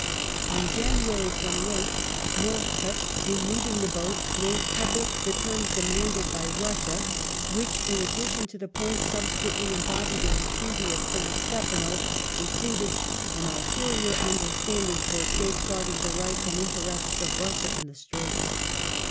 On January 28th Northcote, in moving the vote, made public the terms demanded by Russia, which, in addition to the points subsequently embodied in the Treaty of San Stefano, included "an ulterior understanding for safeguarding the rights and in terests of Russia in the Straits".